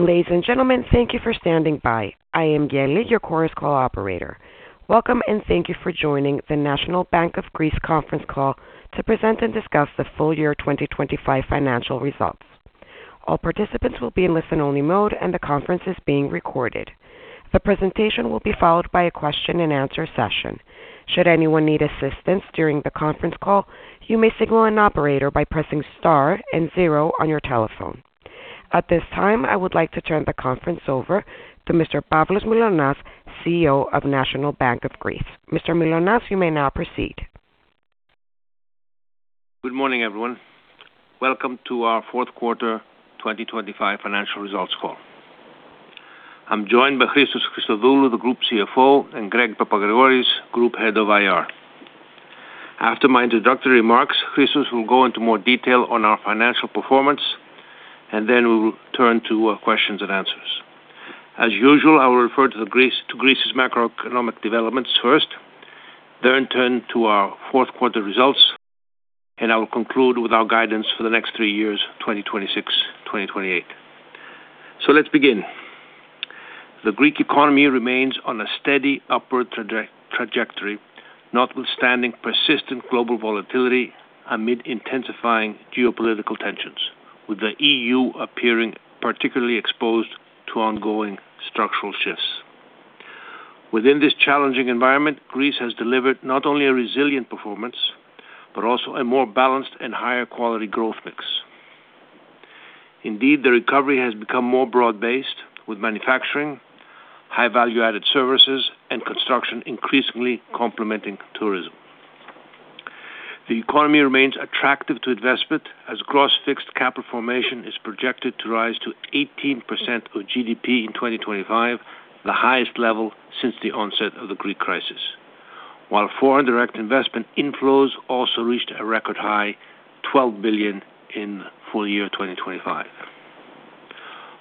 Ladies and gentlemen, thank you for standing by. I am Geli, your Chorus Call operator. Welcome, thank you for joining the National Bank of Greece conference call to present and discuss the full year 2025 financial results. All participants will be in listen-only mode, the conference is being recorded. The presentation will be followed by a question-and-answer session. Should anyone need assistance during the conference call, you may signal an operator by pressing star zero on your telephone. At this time, I would like to turn the conference over to Mr. Pavlos Mylonas, CEO of National Bank of Greece. Mr. Mylonas, you may now proceed. Good morning, everyone. Welcome to our fourth quarter 2025 financial results call. I'm joined by Christos Christodoulou, the Group CFO, and Greg Papagrigoris, Group Head of IR. After my introductory remarks, Christos will go into more detail on our financial performance, we will turn to questions and answers. As usual, I will refer to Greece's macroeconomic developments first, turn to our fourth quarter results, and I will conclude with our guidance for the next three years, 2026, 2028. Let's begin. The Greek economy remains on a steady upward trajectory, notwithstanding persistent global volatility amid intensifying geopolitical tensions, with the EU appearing particularly exposed to ongoing structural shifts. Within this challenging environment, Greece has delivered not only a resilient performance but also a more balanced and higher-quality growth mix. Indeed, the recovery has become more broad-based, with manufacturing, high-value-added services, and construction increasingly complementing tourism. The economy remains attractive to investment, as gross fixed capital formation is projected to rise to 18% of GDP in 2025, the highest level since the onset of the Greek crisis, while foreign direct investment inflows also reached a record high 12 billion in full year 2025.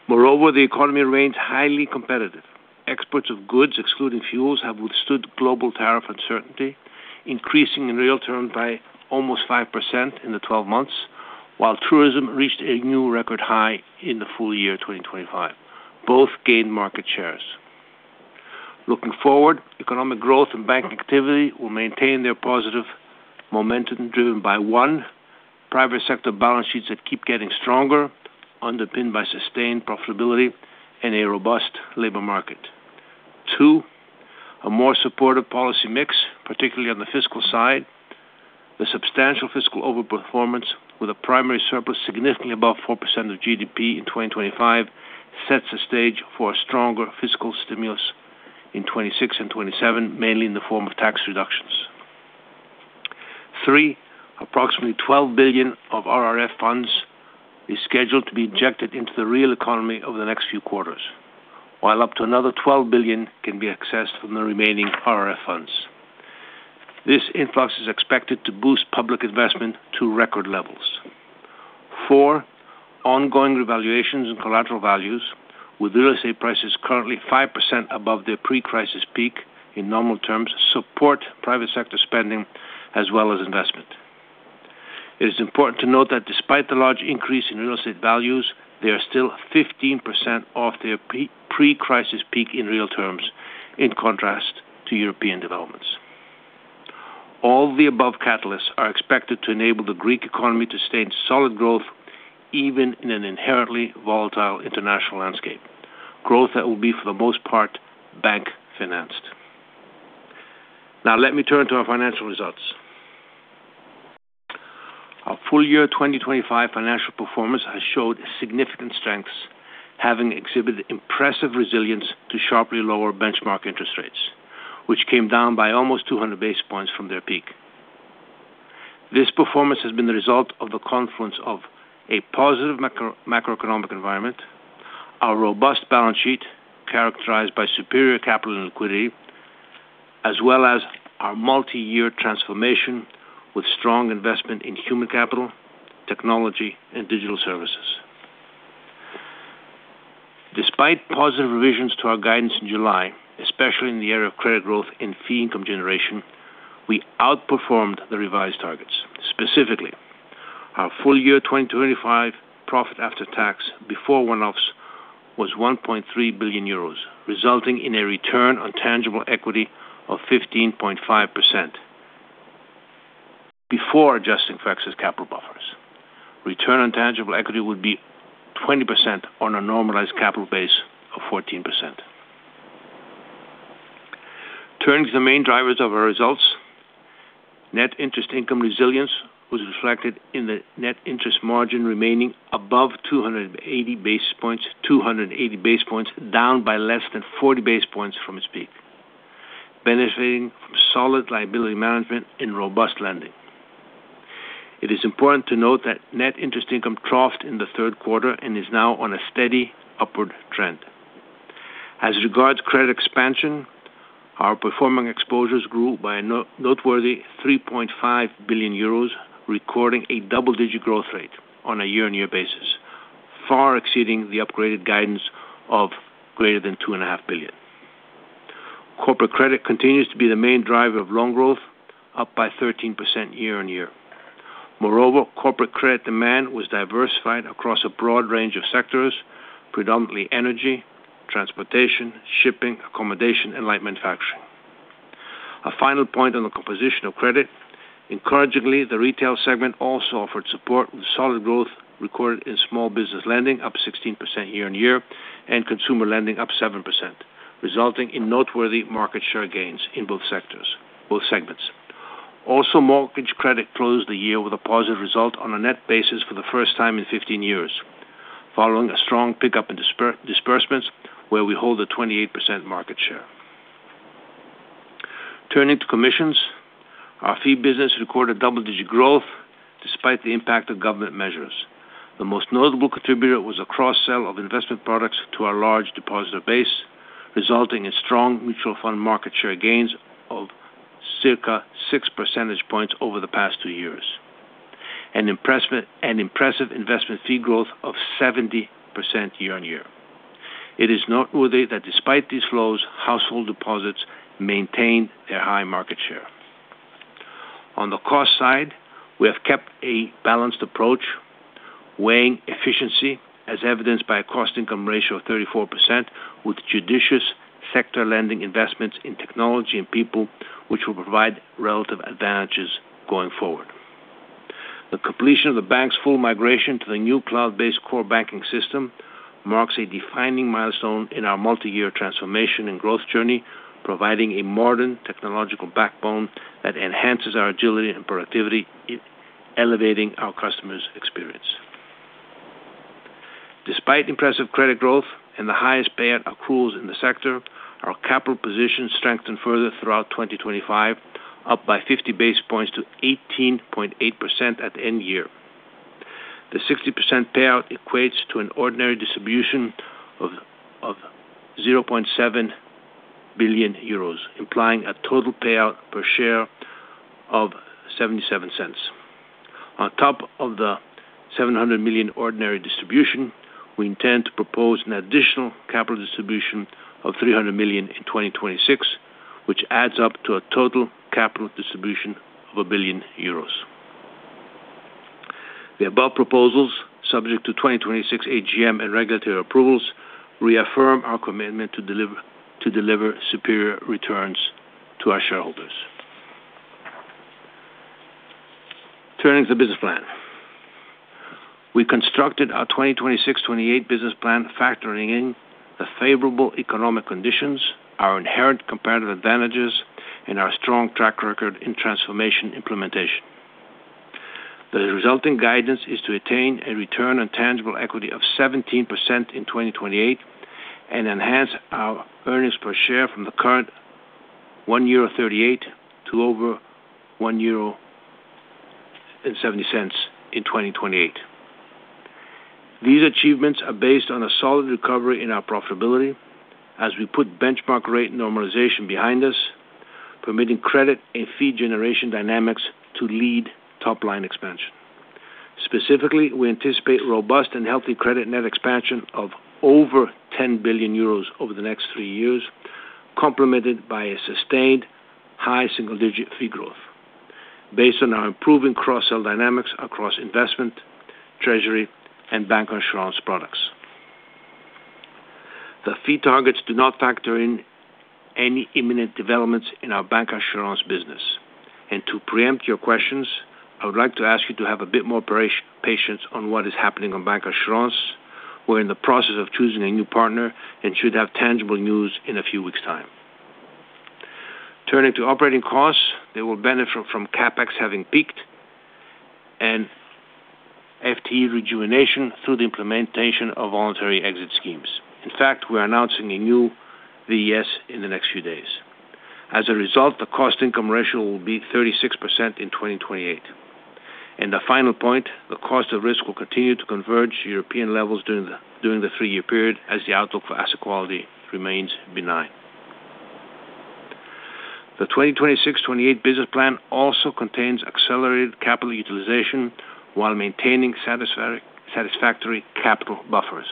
Moreover, the economy remains highly competitive. Exports of goods, excluding fuels, have withstood global tariff uncertainty, increasing in real terms by almost 5% in the 12 months, while tourism reached a new record high in the full year 2025. Both gained market shares. Looking forward, economic growth and bank activity will maintain their positive momentum, driven by, one, private sector balance sheets that keep getting stronger, underpinned by sustained profitability and a robust labor market. Two, a more supportive policy mix, particularly on the fiscal side. The substantial fiscal overperformance, with a primary surplus significantly above 4% of GDP in 2025, sets the stage for a stronger fiscal stimulus in 2026 and 2027, mainly in the form of tax reductions. Three, approximately 12 billion of RRF funds is scheduled to be injected into the real economy over the next few quarters, while up to another 12 billion can be accessed from the remaining RRF funds. This influx is expected to boost public investment to record levels. Four, ongoing revaluations and collateral values, with real estate prices currently 5% above their pre-crisis peak in normal terms, support private sector spending as well as investment. It is important to note that despite the large increase in real estate values, they are still 15% off their pre-crisis peak in real terms, in contrast to European developments. All the above catalysts are expected to enable the Greek economy to stay in solid growth, even in an inherently volatile international landscape, growth that will be, for the most part, bank-financed. Let me turn to our financial results. Our full year 2025 financial performance has showed significant strengths, having exhibited impressive resilience to sharply lower benchmark interest rates, which came down by almost 200 basis points from their peak. This performance has been the result of the confluence of a positive macroeconomic environment, our robust balance sheet, characterized by superior capital and liquidity, as well as our multi-year transformation with strong investment in human capital, technology, and digital services. Despite positive revisions to our guidance in July, especially in the area of credit growth and fee income generation, we outperformed the revised targets. Specifically, our full year 2025 profit after tax before one-offs was 1.3 billion euros, resulting in a return on tangible equity of 15.5%. Before adjusting for excess capital buffers, return on tangible equity would be 20% on a normalized capital base of 14%. Turning to the main drivers of our results, net interest income resilience was reflected in the net interest margin remaining above 280 basis points, down by less than 40 basis points from its peak, benefiting from solid liability management and robust lending. It is important to note that net interest income troughed in the third quarter and is now on a steady upward trend. As regards credit expansion, our performing exposures grew by a noteworthy 3.5 billion euros, recording a double-digit growth rate on a year-on-year basis, far exceeding the upgraded guidance of greater than 2.5 billion. Corporate credit continues to be the main driver of loan growth, up by 13% year-on-year. Moreover, corporate credit demand was diversified across a broad range of sectors, predominantly energy, transportation, shipping, accommodation, and light manufacturing. A final point on the composition of credit: encouragingly, the retail segment also offered support with solid growth recorded in small business lending, up 16% year-on-year, and consumer lending up 7%, resulting in noteworthy market share gains in both segments. Mortgage credit closed the year with a positive result on a net basis for the first time in 15 years, following a strong pickup in disbursements, where we hold a 28% market share. Turning to commissions, our fee business recorded double-digit growth despite the impact of government measures. The most notable contributor was a cross-sell of investment products to our large depositor base, resulting in strong mutual fund market share gains of circa 6 percentage points over the past two years, and impressive investment fee growth of 70% year-on-year. It is noteworthy that despite these flows, household deposits maintain their high market share. On the cost side, we have kept a balanced approach, weighing efficiency as evidenced by a cost-income ratio of 34%, with judicious sector lending investments in technology and people, which will provide relative advantages going forward. The completion of the bank's full migration to the new cloud-based Core Banking System marks a defining milestone in our multi-year transformation and growth journey, providing a modern technological backbone that enhances our agility and productivity, elevating our customers' experience. Despite impressive credit growth and the highest payout accruals in the sector, our capital position strengthened further throughout 2025, up by 50 basis points to 18.8% at end year. The 60% payout equates to an ordinary distribution of 0.7 billion euros, implying a total payout per share of 0.77. On top of the 700 million ordinary distribution, we intend to propose an additional capital distribution of 300 million in 2026, which adds up to a total capital distribution of 1 billion euros. The above proposals, subject to 2026 AGM and regulatory approvals, reaffirm our commitment to deliver superior returns to our shareholders. Turning to the business plan. We constructed our 2026-2028 business plan, factoring in the favorable economic conditions, our inherent competitive advantages, and our strong track record in transformation implementation. The resulting guidance is to attain a return on tangible equity of 17% in 2028 and enhance our earnings per share from the current 1.38 euro to over 1.70 euro in 2028. These achievements are based on a solid recovery in our profitability as we put benchmark rate normalization behind us, permitting credit and fee generation dynamics to lead top-line expansion. Specifically, we anticipate robust and healthy credit net expansion of over 10 billion euros over the next three years, complemented by a sustained high single-digit fee growth based on our improving cross-sell dynamics across investment, treasury, and bancassurance products. The fee targets do not factor in any imminent developments in our bancassurance business. To preempt your questions, I would like to ask you to have a bit more patience on what is happening on bancassurance. We're in the process of choosing a new partner and should have tangible news in a few weeks time. Turning to operating costs, they will benefit from CapEx having peaked and FTE rejuvenation through the implementation of voluntary exit schemes. In fact, we are announcing a new VES in the next few days. As a result, the cost-income ratio will be 36% in 2028. The final point, the cost of risk will continue to converge to European levels during the three-year period as the outlook for asset quality remains benign. The 2026-2028 business plan also contains accelerated capital utilization while maintaining satisfactory capital buffers.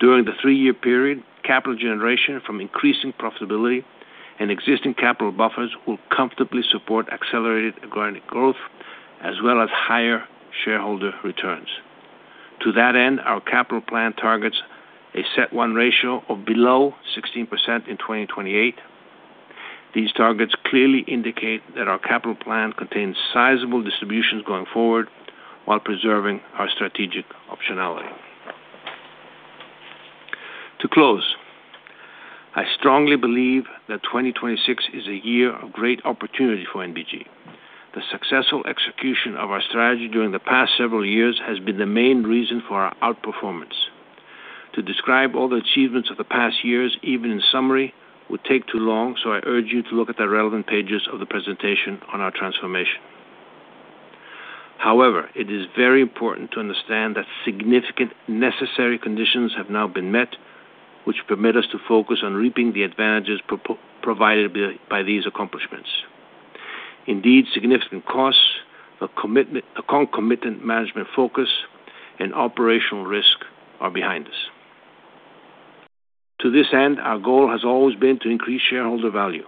During the three-year period, capital generation from increasing profitability and existing capital buffers will comfortably support accelerated organic growth, as well as higher shareholder returns. To that end, our capital plan targets a CET1 ratio of below 16% in 2028. These targets clearly indicate that our capital plan contains sizable distributions going forward while preserving our strategic optionality. To close, I strongly believe that 2026 is a year of great opportunity for NBG. The successful execution of our strategy during the past several years has been the main reason for our outperformance. To describe all the achievements of the past years, even in summary, would take too long. I urge you to look at the relevant pages of the presentation on our transformation. However, it is very important to understand that significant necessary conditions have now been met, which permit us to focus on reaping the advantages provided by these accomplishments. Indeed, significant costs, a commitment, a concomitant management focus and operational risk are behind us. To this end, our goal has always been to increase shareholder value,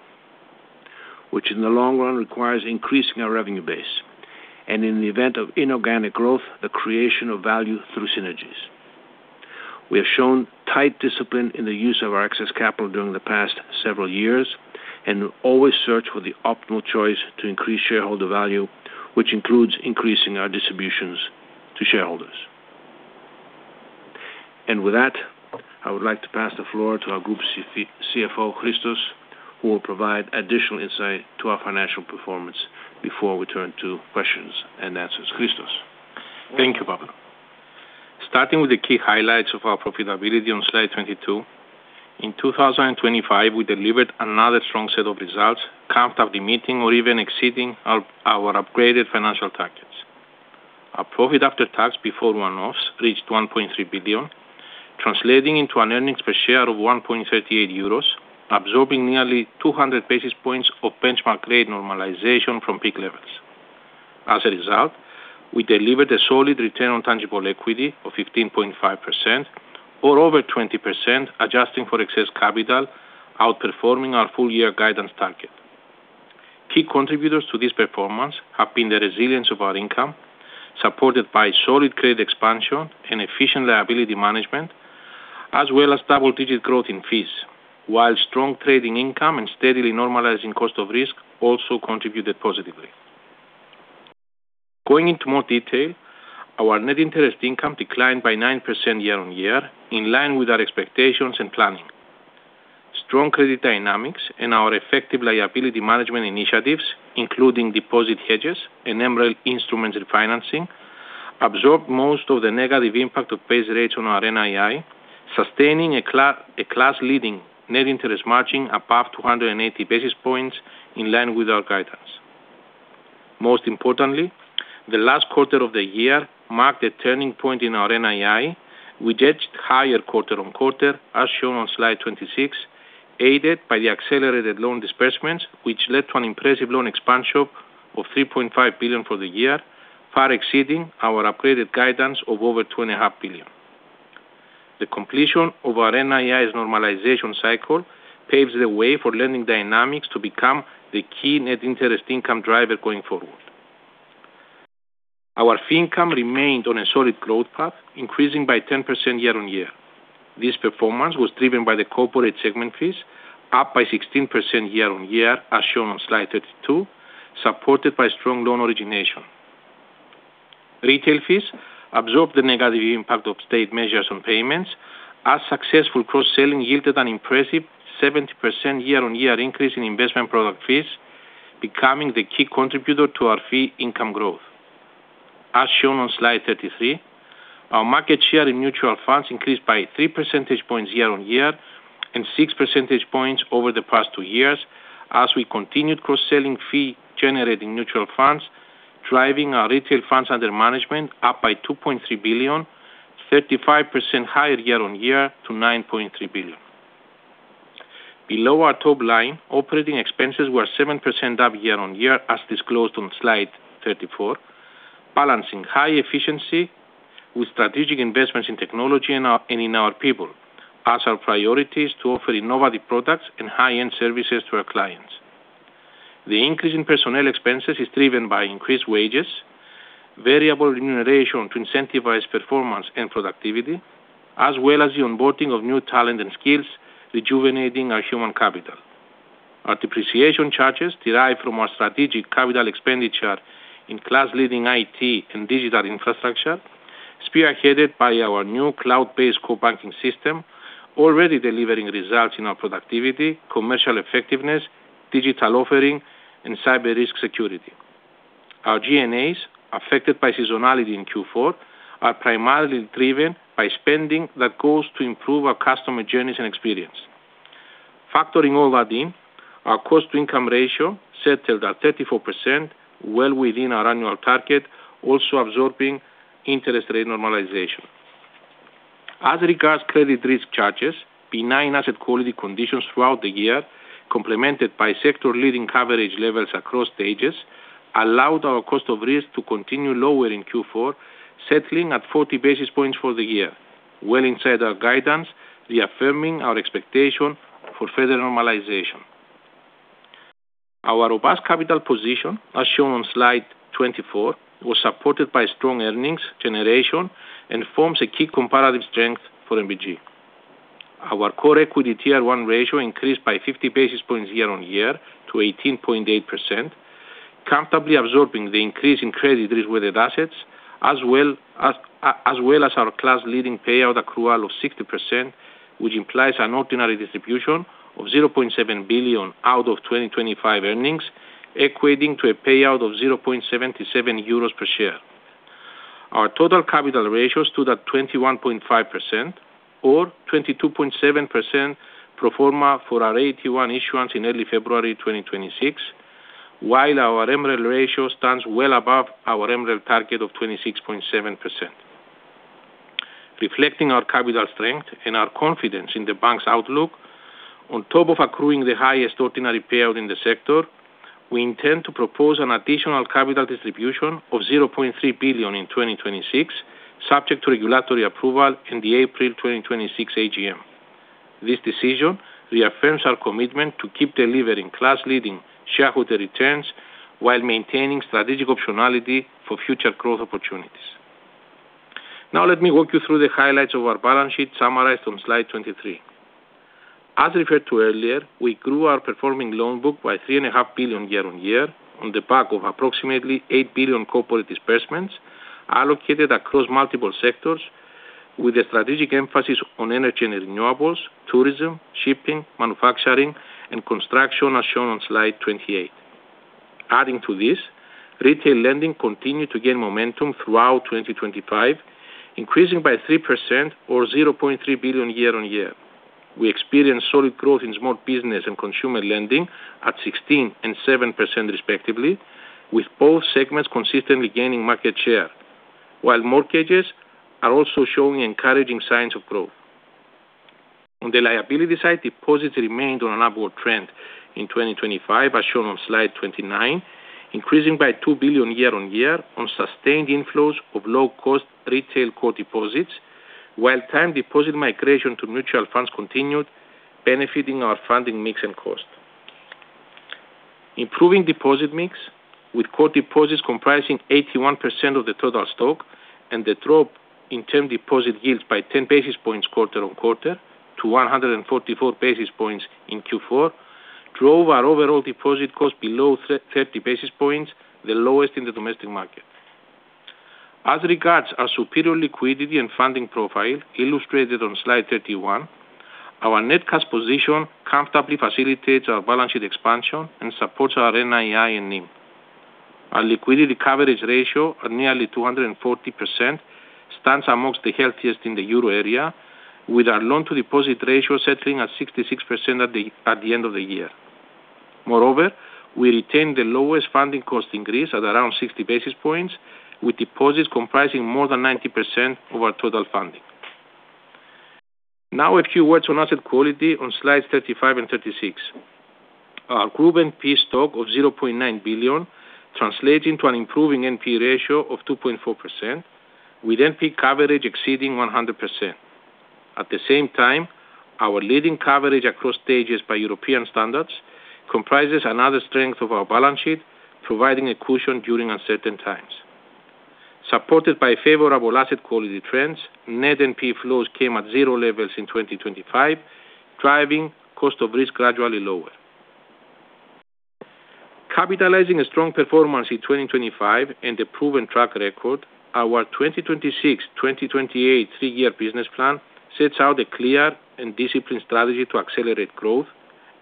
which in the long run requires increasing our revenue base, and in the event of inorganic growth, the creation of value through synergies. We have shown tight discipline in the use of our excess capital during the past several years, and always search for the optimal choice to increase shareholder value, which includes increasing our distributions to shareholders. With that, I would like to pass the floor to our Group CFO, Christos, who will provide additional insight to our financial performance before we turn to questions and answers. Christos? Thank you, Pavlos. Starting with the key highlights of our profitability on slide 22. In 2025, we delivered another strong set of results, comfortably meeting or even exceeding our upgraded financial targets. Our profit after tax, before one-offs, reached 1.3 billion, translating into an earnings per share of 1.38 euros, absorbing nearly 200 basis points of benchmark rate normalization from peak levels. As a result, we delivered a solid return on tangible equity of 15.5% or over 20%, adjusting for excess capital, outperforming our full year guidance target. Key contributors to this performance have been the resilience of our income, supported by solid credit expansion and efficient liability management, as well as double-digit growth in fees, while strong trading income and steadily normalizing cost of risk also contributed positively. Going into more detail, our net interest income declined by 9% year-on-year, in line with our expectations and planning. Strong credit dynamics and our effective liability management initiatives, including deposit hedges and MREL instruments refinancing, absorbed most of the negative impact of base rates on our NII, sustaining a class leading net interest margin above 280 basis points, in line with our guidance. Most importantly, the last quarter of the year marked a turning point in our NII, which edged higher quarter-on-quarter, as shown on slide 26, aided by the accelerated loan disbursements, which led to an impressive loan expansion of 3.5 billion for the year, far exceeding our upgraded guidance of over 2.5 billion. The completion of our NII's normalization cycle paves the way for lending dynamics to become the key net interest income driver going forward. Our fee income remained on a solid growth path, increasing by 10% year-on-year. This performance was driven by the corporate segment fees, up by 16% year-on-year, as shown on slide 32, supported by strong loan origination. Retail fees absorbed the negative impact of state measures on payments, as successful cross-selling yielded an impressive 70% year-on-year increase in investment product fees, becoming the key contributor to our fee income growth. As shown on slide 33, our market share in mutual funds increased by 3 percentage points year-on-year, and 6 percentage points over the past two years as we continued cross-selling fee-generating mutual funds, driving our retail funds under management up by 2.3 billion, 35% higher year-on-year to 9.3 billion. Below our top line, operating expenses were 7% up year-on-year, as disclosed on slide 34, balancing high efficiency with strategic investments in technology and in our people, as our priority is to offer innovative products and high-end services to our clients. The increase in personnel expenses is driven by increased wages, variable remuneration to incentivize performance and productivity, as well as the onboarding of new talent and skills, rejuvenating our human capital. Our depreciation charges derive from our strategic capital expenditure in class leading IT and digital infrastructure, spearheaded by our new cloud-based Core Banking System, already delivering results in our productivity, commercial effectiveness, digital offering, and cyber risk security. Our G&A, affected by seasonality in Q4, are primarily driven by spending that goes to improve our customer journeys and experience. Factoring all that in, our cost-income ratio settled at 34%, well within our annual target, also absorbing interest rate normalization. As regards credit risk charges, benign asset quality conditions throughout the year, complemented by sector leading coverage levels across stages, allowed our cost of risk to continue lower in Q4, settling at 40 basis points for the year, well inside our guidance, reaffirming our expectation for further normalization. Our robust capital position, as shown on slide 24, was supported by strong earnings generation and forms a key comparative strength for NBG. Our Core Equity Tier 1 ratio increased by 50 basis points year-on-year to 18.8%, comfortably absorbing the increase in credit risk weighted assets, as well as our class leading payout accrual of 60%, which implies an ordinary distribution of 0.7 billion out of 2025 earnings, equating to a payout of 0.77 euros per share. Our total capital ratio stood at 21.5% or 22.7% pro forma for our AT1 issuance in early February 2026, while our MREL ratio stands well above our MREL target of 26.7%. reflecting our capital strength and our confidence in the bank's outlook, on top of accruing the highest ordinary payout in the sector, we intend to propose an additional capital distribution of 0.3 billion in 2026, subject to regulatory approval in the April 2026 AGM. This decision reaffirms our commitment to keep delivering class-leading shareholder returns, while maintaining strategic optionality for future growth opportunities. Let me walk you through the highlights of our balance sheet, summarized on slide 23. As referred to earlier, we grew our performing loan book by 3.5 billion year-on-year, on the back of approximately 8 billion corporate disbursements, allocated across multiple sectors, with a strategic emphasis on energy and renewables, tourism, shipping, manufacturing, and construction, as shown on slide 28. Adding to this, retail lending continued to gain momentum throughout 2025, increasing by 3% or 0.3 billion year-on-year. We experienced solid growth in small business and consumer lending at 16% and 7% respectively, with both segments consistently gaining market share, while mortgages are also showing encouraging signs of growth. On the liability side, deposits remained on an upward trend in 2025, as shown on slide 29, increasing by 2 billion year-on-year on sustained inflows of low cost retail core deposits, while time deposit migration to mutual funds continued, benefiting our funding mix and cost. Improving deposit mix, with core deposits comprising 81% of the total stock, and the drop in term deposit yields by 10 basis points quarter on quarter to 144 basis points in Q4, drove our overall deposit cost below 30 basis points, the lowest in the domestic market. As regards our superior liquidity and funding profile, illustrated on slide 31, our net cash position comfortably facilitates our balance sheet expansion and supports our NII and NIM. Our liquidity coverage ratio, at nearly 240%, stands amongst the healthiest in the Euro area, with our loan-to-deposit ratio settling at 66% at the end of the year. Moreover, we retain the lowest funding cost increase at around 60 basis points, with deposits comprising more than 90% of our total funding. A few words on asset quality on slides 35 and 36. Our group NP stock of 0.9 billion, translating to an improving NP ratio of 2.4%, with NP coverage exceeding 100%. At the same time, our leading coverage across stages by European standards, comprises another strength of our balance sheet, providing a cushion during uncertain times. Supported by favorable asset quality trends, net NP flows came at zero levels in 2025, driving cost of risk gradually lower. Capitalizing a strong performance in 2025 and a proven track record, our 2026, 2028 three-year business plan sets out a clear and disciplined strategy to accelerate growth,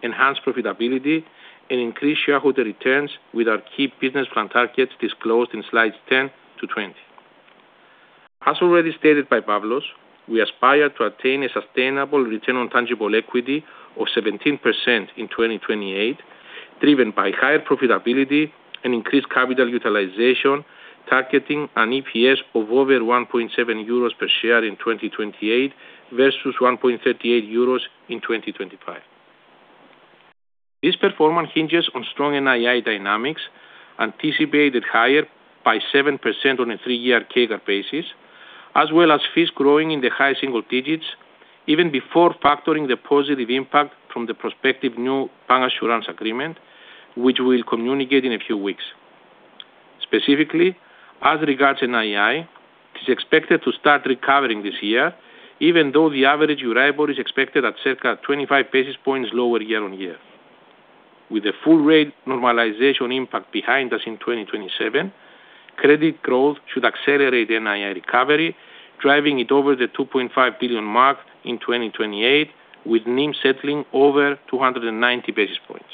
enhance profitability, and increase shareholder returns with our key business plan targets disclosed in slides 10 to 20. As already stated by Pavlos, we aspire to attain a sustainable return on tangible equity of 17% in 2028, driven by higher profitability and increased capital utilization, targeting an EPS of over 1.7 euros per share in 2028 versus 1.38 euros in 2025. This performance hinges on strong NII dynamics, anticipated higher by 7% on a three-year CAGR basis, as well as fees growing in the high single digits, even before factoring the positive impact from the prospective new bancassurance agreement, which we'll communicate in a few weeks. Specifically, as regards NII, it is expected to start recovering this year, even though the average Euribor is expected at circa 25 basis points lower year-on-year. With the full rate normalization impact behind us in 2027, credit growth should accelerate NII recovery, driving it over the 2.5 billion mark in 2028, with NIM settling over 290 basis points.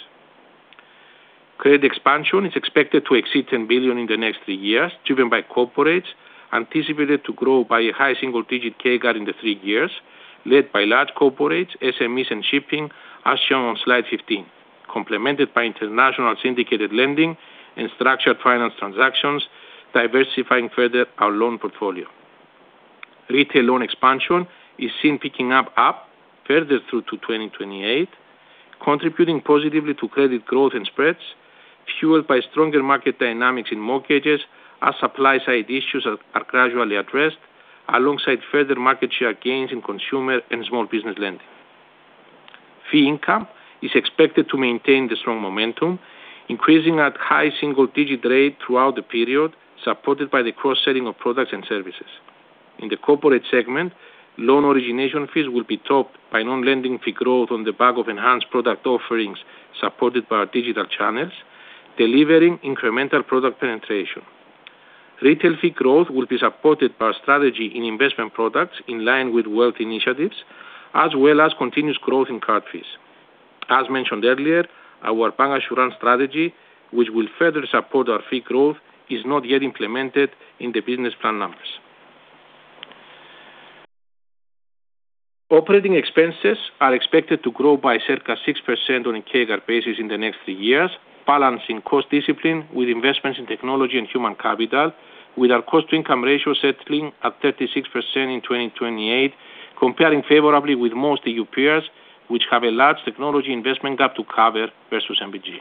Credit expansion is expected to exceed 10 billion in the next three years, driven by corporates anticipated to grow by a high single digit CAGR in the three years, led by large corporates, SMEs and shipping, as shown on slide 15, complemented by international syndicated lending and structured finance transactions, diversifying further our loan portfolio. Retail loan expansion is seen picking up further through to 2028, contributing positively to credit growth and spreads, fueled by stronger market dynamics in mortgages as supply side issues are gradually addressed, alongside further market share gains in consumer and small business lending. Fee income is expected to maintain the strong momentum, increasing at high single digit rate throughout the period, supported by the cross-selling of products and services. In the corporate segment, loan origination fees will be topped by non-lending fee growth on the back of enhanced product offerings, supported by our digital channels, delivering incremental product penetration. Retail fee growth will be supported by our strategy in investment products, in line with wealth initiatives, as well as continuous growth in card fees. As mentioned earlier, our bancassurance strategy, which will further support our fee growth, is not yet implemented in the business plan numbers. Operating expenses are expected to grow by circa 6% on a CAGR basis in the next three years, balancing cost discipline with investments in technology and human capital, with our cost-income ratio settling at 36% in 2028, comparing favorably with most EU peers, which have a large technology investment gap to cover versus NBG.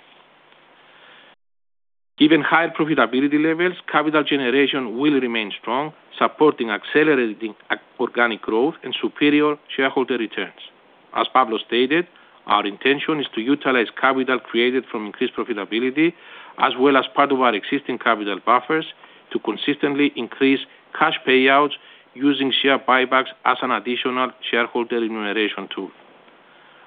Given higher profitability levels, capital generation will remain strong, supporting accelerating organic growth and superior shareholder returns. As Pavlos stated, our intention is to utilize capital created from increased profitability, as well as part of our existing capital buffers, to consistently increase cash payouts using share buybacks as an additional shareholder remuneration tool.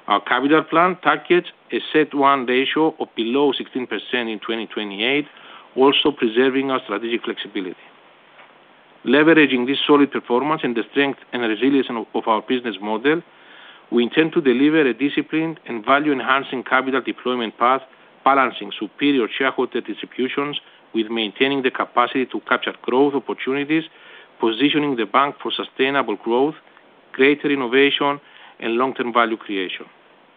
Our capital plan targets a CET1 ratio of below 16% in 2028, also preserving our strategic flexibility. Leveraging this solid performance and the strength and resilience of our business model, we intend to deliver a disciplined and value-enhancing capital deployment path, balancing superior shareholder distributions with maintaining the capacity to capture growth opportunities, positioning the bank for sustainable growth, greater innovation, and long-term value creation.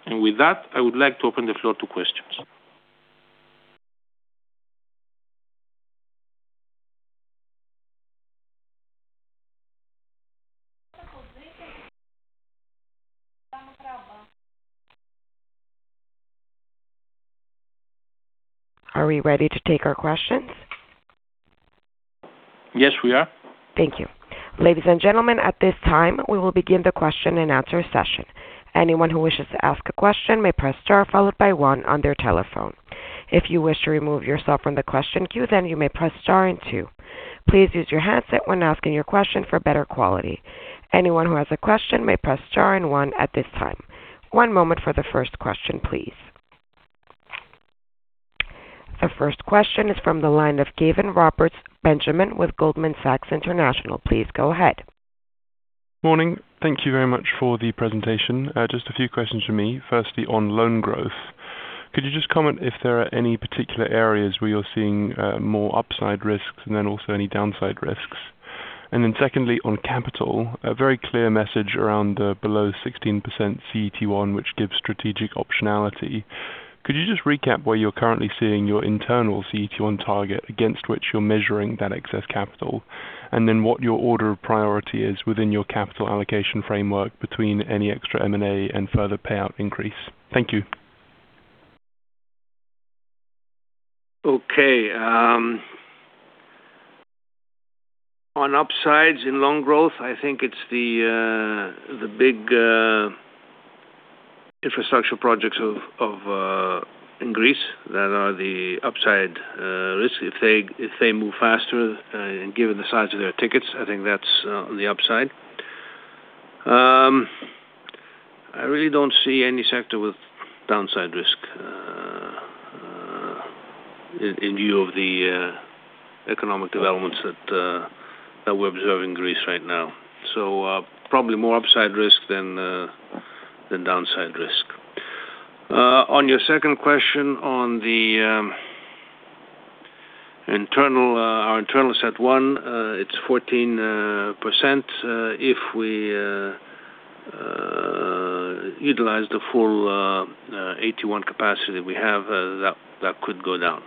With that, I would like to open the floor to questions. Are we ready to take our questions? Yes, we are. Thank you. Ladies and gentlemen, at this time, we will begin the question-and-answer session. Anyone who wishes to ask a question may press star followed by one on their telephone. If you wish to remove yourself from the question queue, you may press star and two. Please use your handset when asking your question for better quality. Anyone who has a question may press star and one at this time. One moment for the first question, please. The first question is from the line of Caven-Roberts Benjamin with Goldman Sachs International. Please go ahead. Morning. Thank you very much for the presentation. just a few questions from me. Firstly, on loan growth, could you just comment if there are any particular areas where you're seeing, more upside risks and then also any downside risks? Secondly, on capital, a very clear message around the below 16% CET1, which gives strategic optionality. Could you just recap where you're currently seeing your internal CET1 target against which you're measuring that excess capital, and then what your order of priority is within your capital allocation framework between any extra M&A and further payout increase? Thank you. Okay, on upsides in loan growth, I think it's the big infrastructure projects in Greece that are the upside risk. If they move faster, and given the size of their tickets, I think that's on the upside. I really don't see any sector with downside risk in view of the economic developments that we observe in Greece right now. Probably more upside risk than downside risk. On your second question, on the internal our internal CET1, it's 14%. If we utilize the full AT1 capacity we have, that could go down.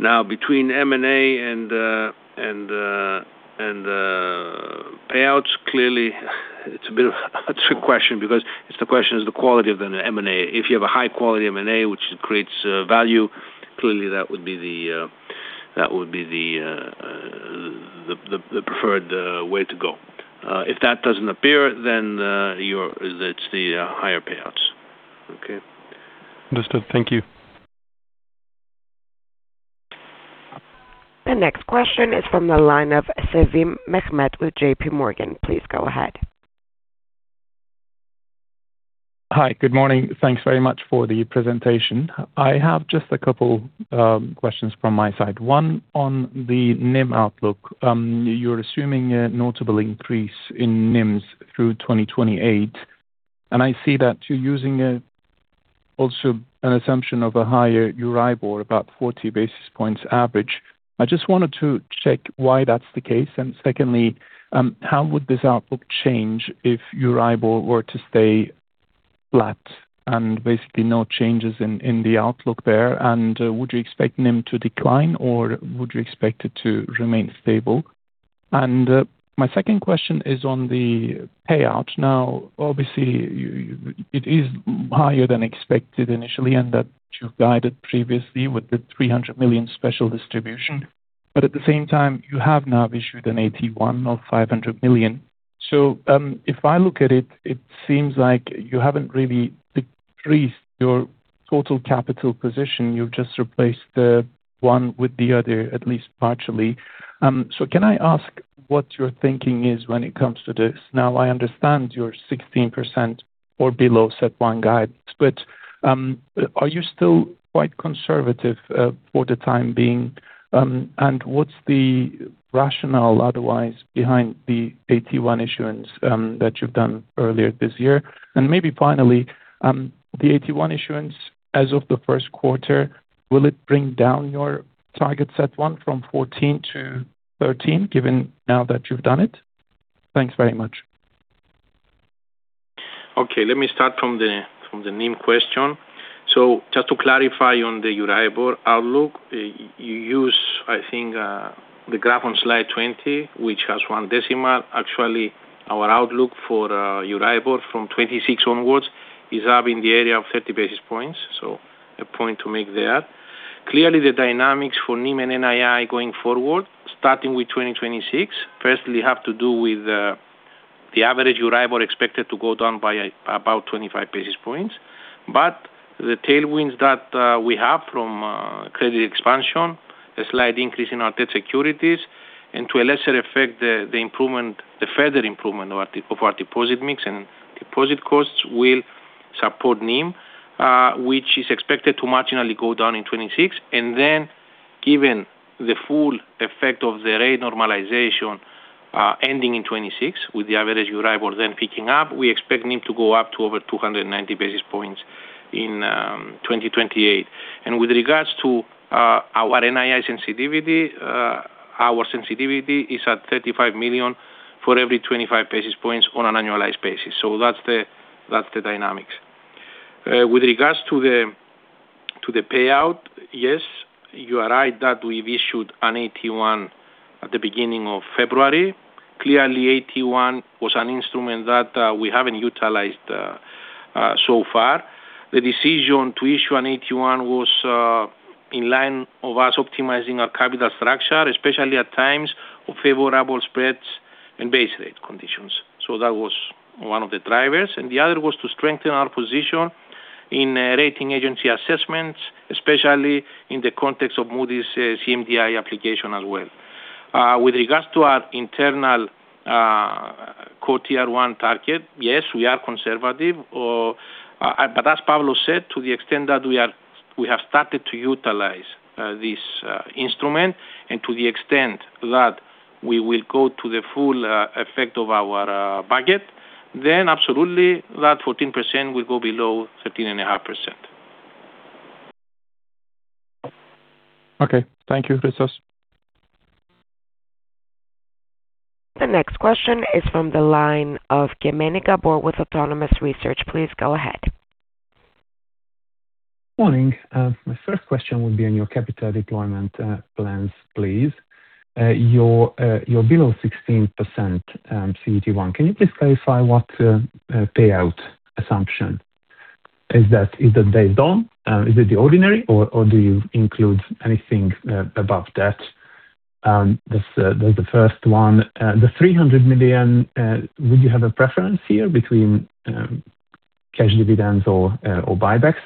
Now, between M&A and payouts, clearly it's a bit of, that's a good question because it's the question is the quality of the M&A. If you have a high quality M&A, which creates value, clearly that would be the preferred way to go. If that doesn't appear, it's the higher payouts. Okay? Understood. Thank you. The next question is from the line of Sevim Mehmet with JPMorgan. Please go ahead. Hi. Good morning. Thanks very much for the presentation. I have just a couple, questions from my side. One, on the NIM outlook. You're assuming a notable increase in NIMs through 2028, and I see that you're using, also an assumption of a higher Euribor, about 40 basis points average. I just wanted to check why that's the case. Secondly, how would this outlook change if Euribor were to stay flat and basically no changes in the outlook there? Would you expect NIM to decline, or would you expect it to remain stable? My second question is on the payout. Obviously, it is higher than expected initially, and that you've guided previously with the 300 million special distribution, at the same time, you have now issued an AT1 of 500 million. If I look at it seems like you haven't really decreased your total capital position. You've just replaced the one with the other, at least partially. Can I ask what your thinking is when it comes to this? Now, I understand you're 16% or below CET1 guidance, are you still quite conservative for the time being? What's the rationale otherwise, behind the AT1 issuance that you've done earlier this year? Maybe finally, the AT1 issuance as of the first quarter, will it bring down your target CET1 from 14% to 13%, given now that you've done it? Thanks very much. Okay, let me start from the NIM question. Just to clarify on the Euribor outlook, you use, I think, the graph on slide 20, which has one decimal. Actually, our outlook for Euribor from 2026 onwards is up in the area of 30 basis points. A point to make there. Clearly, the dynamics for NIM and NII going forward, starting with 2026, firstly have to do with the average Euribor expected to go down by about 25 basis points. The tailwinds that we have from credit expansion, a slight increase in our debt securities, and to a lesser effect, the improvement, the further improvement of our deposit mix and deposit costs will support NIM, which is expected to marginally go down in 2026. Given the full effect of the rate normalization, ending in 2026, with the average Euribor then picking up, we expect NIM to go up to over 290 basis points in 2028. With regards to our NII sensitivity, our sensitivity is at 35 million for every 25 basis points on an annualized basis. That's the dynamics. With regards to the payout, yes, you are right that we've issued an AT1 at the beginning of February. Clearly, AT1 was an instrument that we haven't utilized so far. The decision to issue an AT1 was in line of us optimizing our capital structure, especially at times of favorable spreads and base rate conditions. That was one of the drivers, and the other was to strengthen our position in rating agency assessments, especially in the context of Moody's CMDI application as well. With regards to our internal Core Tier 1 target, yes, we are conservative, or, as Pavlos said, to the extent that we have started to utilize this instrument and to the extent that we will go to the full effect of our budget, absolutely, that 14% will go below 13.5%. Okay. Thank you, Christos. The next question is from the line of Kemeny Gábor with Autonomous Research. Please go ahead. Morning. My first question would be on your capital deployment plans, please. You're below 16% CET1. Can you please clarify what payout assumption is that? Is it the ordinary or do you include anything above that? That's the first one. The 300 million, would you have a preference here between cash dividends or buybacks?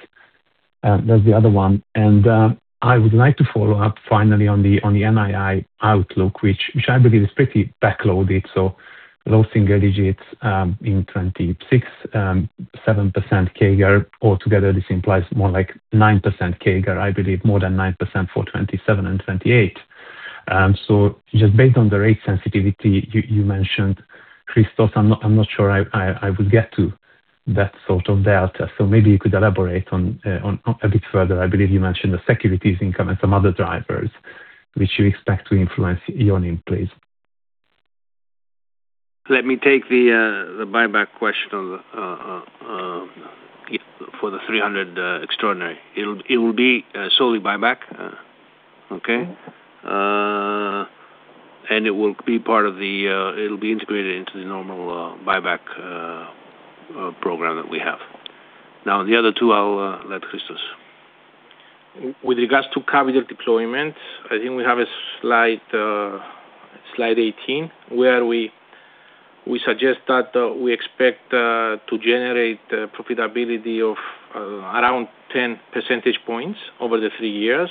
That's the other one. I would like to follow up finally on the NII outlook, which I believe is pretty backloaded, so low single digits in 2026, 7% CAGR. Altogether, this implies more like 9% CAGR, I believe more than 9% for 2027 and 2028. Just based on the rate sensitivity you mentioned, Christos, I'm not sure I would get to that sort of delta. Maybe you could elaborate a bit further. I believe you mentioned the securities income and some other drivers, which you expect to influence your NIM, please. Let me take the buyback question on the for the 300 extraordinary. It will be solely buyback, okay? It will be part of the, it'll be integrated into the normal buyback program that we have. Now, the other two, I'll let Christos. With regards to capital deployment, I think we have a slide 18, where we suggest that we expect to generate profitability of around 10 percentage points over the three years.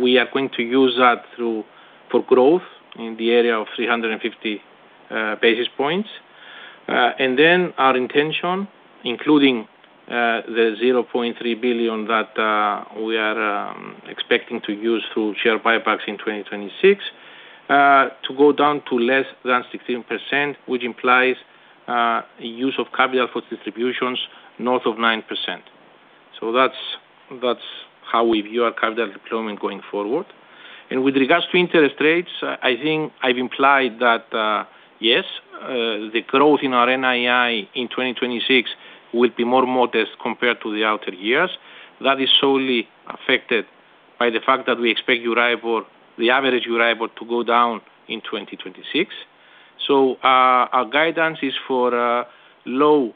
We are going to use that through, for growth in the area of 350 basis points. Our intention, including the 0.3 billion that we are expecting to use through share buybacks in 2026, to go down to less than 16%, which implies a use of capital for distributions north of 9%. That's how we view our capital deployment going forward. With regards to interest rates, I think I've implied that yes, the growth in our NII in 2026 will be more modest compared to the outer years. That is solely affected by the fact that we expect Euribor, the average Euribor, to go down in 2026. Our guidance is for low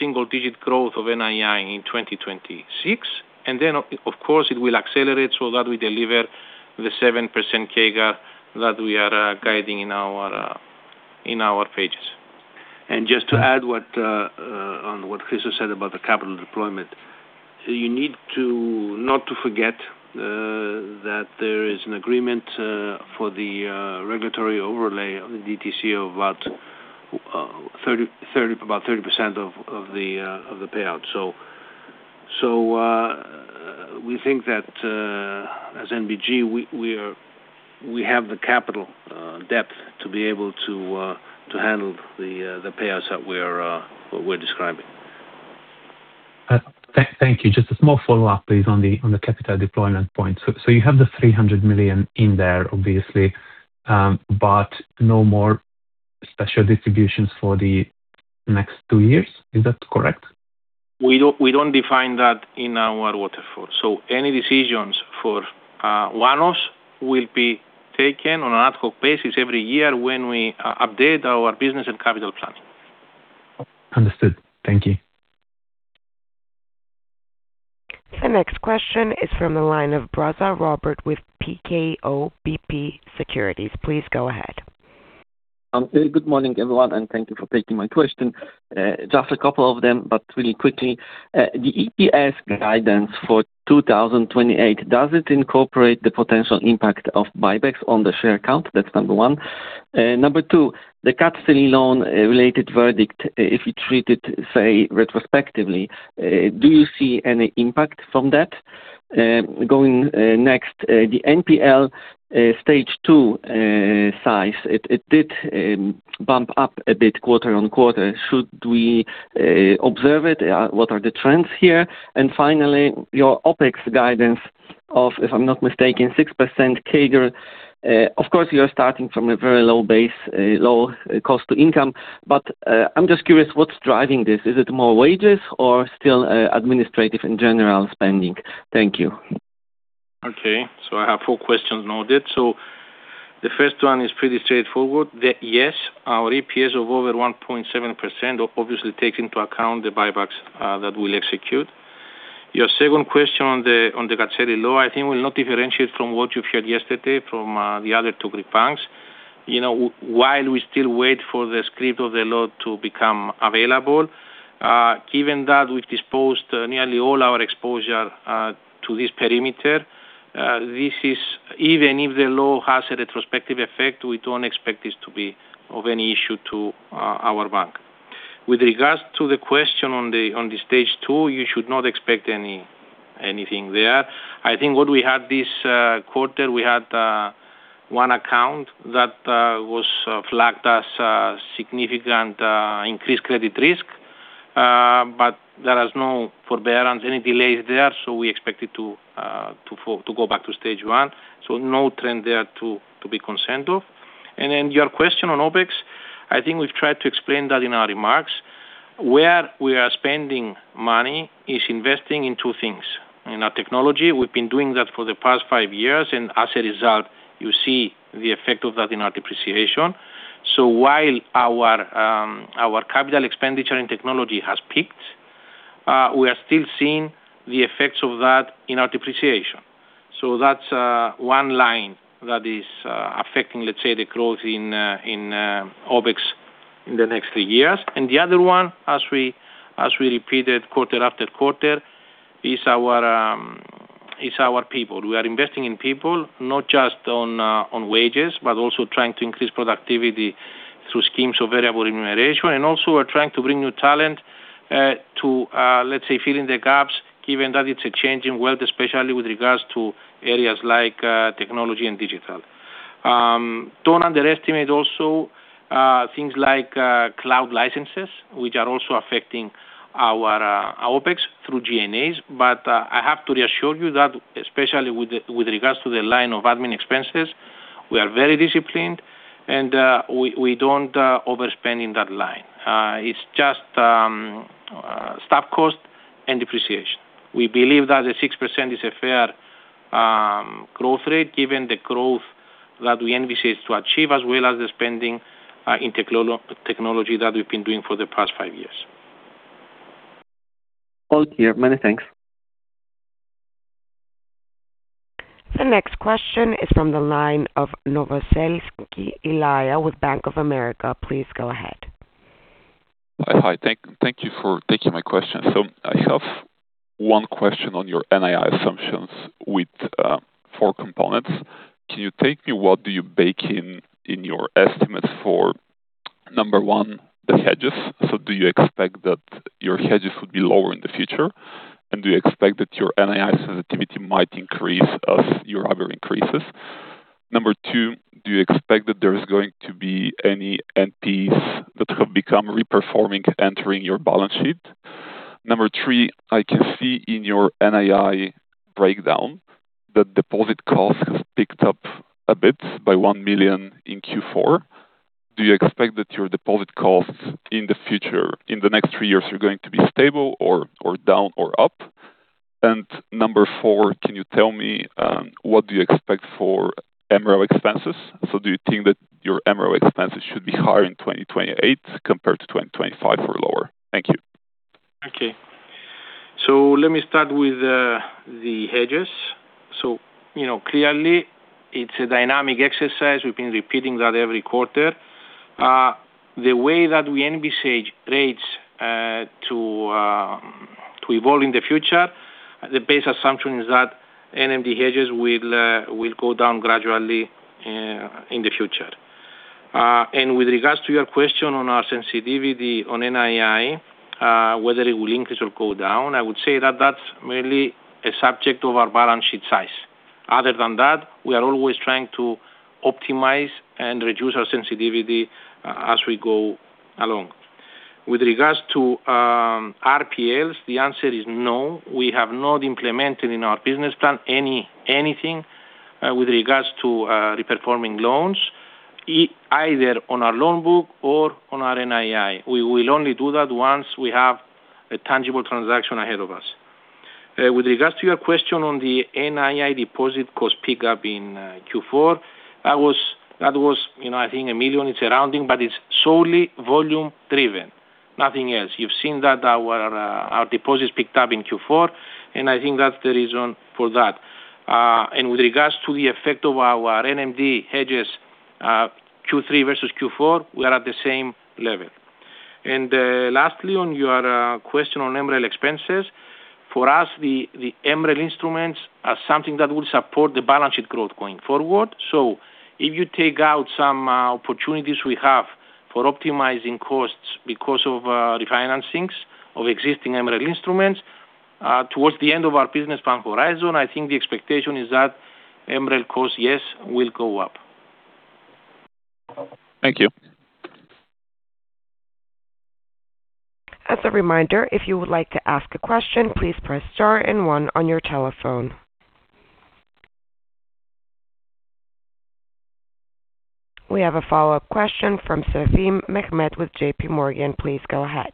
single-digit growth of NII in 2026, and then, of course, it will accelerate so that we deliver the 7% CAGR that we are guiding in our in our pages. Just to add what on what Christos said about the capital deployment, you need to not to forget that there is an agreement for the regulatory overlay on the DTC of about 30% of the payout. We think that as NBG, we have the capital depth to be able to handle the payouts that we're describing. thank you. Just a small follow-up, please, on the capital deployment point. You have the 300 million in there, obviously, but no more special distributions for the next two years. Is that correct? We don't define that in our waterfall. Any decisions for one-offs will be taken on an ad hoc basis every year when we update our business and capital plan. Understood. Thank you. The next question is from the line of Brzoza Robert with PKO BP Securities. Please go ahead. Good morning, everyone, thank you for taking my question. Just a couple of them, but really quickly. The EPS guidance for 2028, does it incorporate the potential impact of buybacks on the share count? That's number one. Number two, the Katseli loan related verdict, if you treat it, say, retrospectively, do you see any impact from that? Going next, the NPL Stage 2 size, it did bump up a bit quarter-on-quarter. Should we observe it? What are the trends here? Finally, your OpEx guidance of, if I'm not mistaken, 6% CAGR. Of course, you are starting from a very low base, low cost to income, I'm just curious, what's driving this? Is it more wages or still administrative in general spending? Thank you. Okay, I have four questions noted. The first one is pretty straightforward, that yes, our EPS of over 1.7% obviously takes into account the buybacks that will execute. Your second question on the Katseli Law, I think, will not differentiate from what you heard yesterday from the other two banks. While we still wait for the script of the law to become available, given that we've disposed nearly all our exposure to this perimeter, even if the law has a retrospective effect, we don't expect this to be of any issue to our bank. With regards to the question on the Stage 2, you should not expect anything there. I think what we had this quarter, we had one account that was flagged as a significant increased credit risk, but there is no forbearance, any delays there, so we expect it to go back to Stage 1. No trend there to be concerned of. Your question on OpEx, I think we've tried to explain that in our remarks. Where we are spending money is investing in two things. In our technology, we've been doing that for the past five years, and as a result, you see the effect of that in our depreciation. While our capital expenditure and technology has peaked, we are still seeing the effects of that in our depreciation. That's one line that is affecting, let's say, the growth in OpEx in the next three years. The other one, as we repeated quarter after quarter, is our people. We are investing in people, not just on wages, but also trying to increase productivity through schemes of variable remuneration, and also we're trying to bring new talent to, let's say, fill in the gaps, given that it's a changing world, especially with regards to areas like technology and digital. Don't underestimate also things like cloud licenses, which are also affecting our OpEx through G&As. I have to reassure you that, especially with regards to the line of admin expenses, we are very disciplined, and we don't overspend in that line. It's just staff cost and depreciation. We believe that the 6% is a fair growth rate, given the growth that we envisage to achieve, as well as the spending in technology that we've been doing for the past five years. All clear. Many thanks. The next question is from the line of Novosselsky Ilija with Bank of America. Please go ahead. Hi. Thank you for taking my question. I have one question on your NII assumptions with four components. Can you take me, what do you bake in your estimates for, number one, the hedges? Do you expect that your hedges will be lower in the future? Do you expect that your NII sensitivity might increase as your other increases? Number two, do you expect that there is going to be any NPs that have become re-performing, entering your balance sheet? Number three, I can see in your NII breakdown that deposit costs have picked up a bit by 1 million in Q4. Do you expect that your deposit costs in the future, in the next three years, are going to be stable or down or up? Number four, can you tell me what do you expect for MRO expenses? Do you think that your MRO expenses should be higher in 2028 compared to 2025 or lower? Thank you. Okay, let me start with the hedges. You know, clearly it's a dynamic exercise. We've been repeating that every quarter. The way that we envisage rates to evolve in the future, the base assumption is that NMD hedges will go down gradually in the future. With regards to your question on our sensitivity on NII, whether it will increase or go down, I would say that that's mainly a subject of our balance sheet size.... Other than that, we are always trying to optimize and reduce our sensitivity as we go along. With regards to RPLs, the answer is no. We have not implemented in our business plan anything with regards to re-performing loans, either on our loan book or on our NII. We will only do that once we have a tangible transaction ahead of us. With regards to your question on the NII deposit cost pickup in Q4, that was, you know, I think 1 million surrounding, but it's solely volume driven, nothing else. You've seen that our deposits picked up in Q4, and I think that's the reason for that. With regards to the effect of our NMD hedges, Q3 versus Q4, we are at the same level. Lastly, on your question on MREL expenses, for us, the MREL instruments are something that will support the balance sheet growth going forward. If you take out some opportunities we have for optimizing costs because of refinancings of existing MREL instruments towards the end of our business plan horizon, I think the expectation is that MREL costs, yes, will go up. Thank you. As a reminder, if you would like to ask a question, please press star and one on your telephone. We have a follow-up question from Sevim Mehmet with JPMorgan. Please go ahead.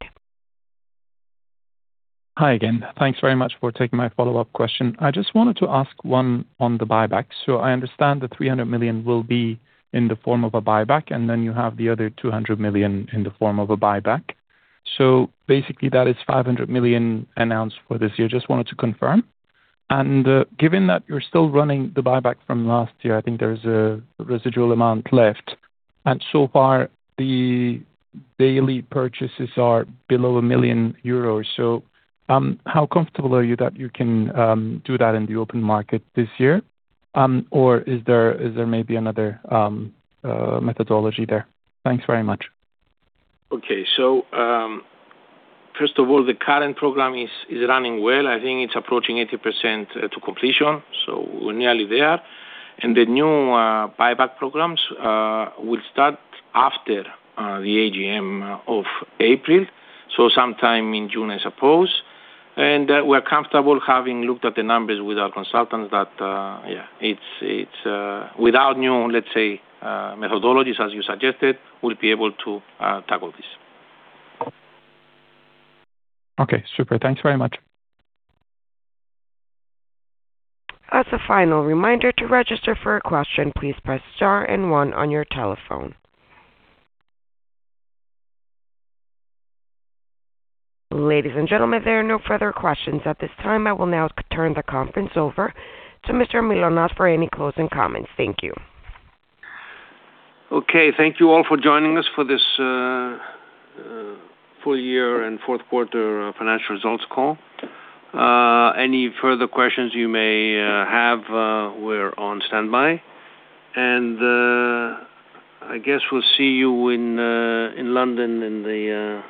Hi again. Thanks very much for taking my follow-up question. I just wanted to ask one on the buyback. I understand the 300 million will be in the form of a buyback, and then you have the other 200 million in the form of a buyback. Basically, that is 500 million announced for this year. Just wanted to confirm. Given that you're still running the buyback from last year, I think there is a residual amount left, and so far the daily purchases are below 1 million euros. How comfortable are you that you can do that in the open market this year? Or is there, is there maybe another methodology there? Thanks very much. First of all, the current program is running well. I think it's approaching 80% to completion, so we're nearly there. The new buyback programs will start after the AGM of April, so sometime in June, I suppose. We're comfortable having looked at the numbers with our consultants that it's without new, let's say, methodologies, as you suggested, we'll be able to tackle this. Okay, super. Thanks very much. As a final reminder to register for a question, please press star and one on your telephone. Ladies and gentlemen, there are no further questions at this time. I will now turn the conference over to Mr. Mylonas for any closing comments. Thank you. Okay. Thank you all for joining us for this full year and fourth quarter financial results call. Any further questions you may have, we're on standby. I guess we'll see you in London, in the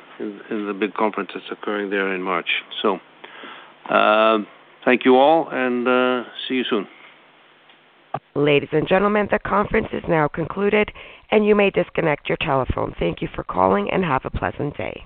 big conference that's occurring there in March. Thank you all, and see you soon. Ladies and gentlemen, the conference is now concluded, and you may disconnect your telephone. Thank you for calling, and have a pleasant day.